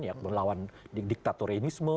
ya melawan diktatorenisme